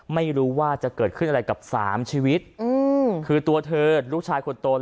ไม่รู้ว่าจะเกิดขึ้นอะไรกับสามชีวิตคือตัวเธอลูกชายคนโต